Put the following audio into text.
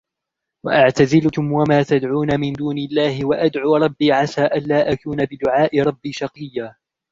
وأعتزلكم وما تدعون من دون الله وأدعو ربي عسى ألا أكون بدعاء ربي شقيا